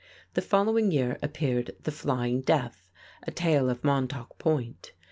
The following year appeared "The Flying Death," a tale of Montauk Point.